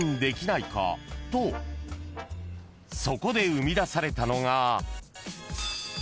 ［とそこで生み出されたのが］